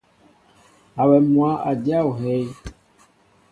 Awem mwă a jáa ohɛy.